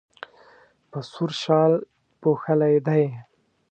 په سور شال پوښلی دی.